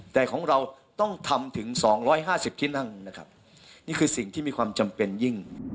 แต่ของเราต้องทำถึง๒๕๐ที่นั่งนะครับนี่คือสิ่งที่มีความจำเป็นยิ่ง